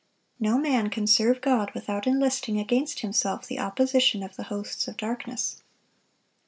No man can serve God without enlisting against himself the opposition of the hosts of darkness.